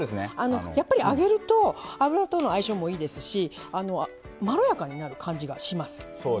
やっぱり揚げると、油との相性もいいですしまろやかになる感じがします。